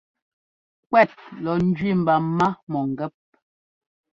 Kuɛt lɔ njẅi mba má mɔ̂ngɛ́p.